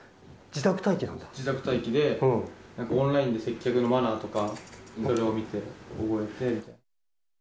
自宅待機で、なんかオンラインで接客のマナーとか、それを見て、覚えて。